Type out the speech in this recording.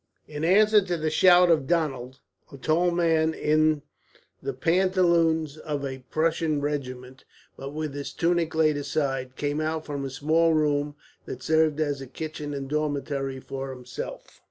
In answer to the shout of "Donald," a tall man in the pantaloons of a Prussian regiment, but with his tunic laid aside, came out from a small room that served as a kitchen, and dormitory, for himself.